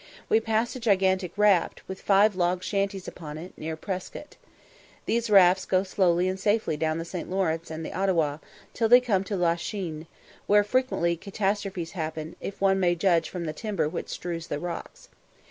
We passed a gigantic raft, with five log shanties upon it, near Prescott. These rafts go slowly and safely down the St. Lawrence and the Ottawa, till they come to La Chine, where frequent catastrophes happen, if one may judge from the timber which strews the rocks.